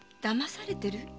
だまされてる？